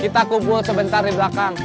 kita kumpul sebentar di belakang